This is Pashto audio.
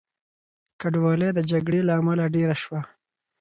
کډوالۍ د جګړې له امله ډېره شوه.